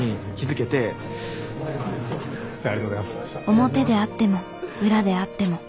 表であっても裏であっても。